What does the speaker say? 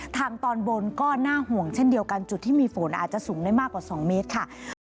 ทางตอนบนก็น่าห่วงเช่นเดียวกันจุดที่มีฝนอาจจะสูงได้มากกว่า๒เมตรค่ะ